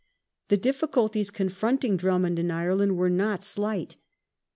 The difficulties confronting Drummond in Ireland were not Thomas slight.